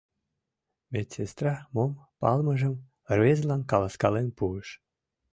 Медсестра мом палымыжым рвезылан каласкален пуыш.